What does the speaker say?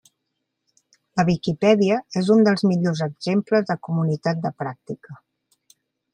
La Viquipèdia és un dels millors exemples de comunitat de pràctica.